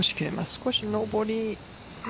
少し上り。